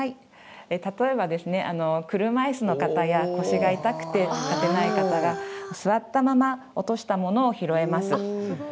例えば車いすの方や腰が痛くて立てない方が座ったまま落としたものを拾えます。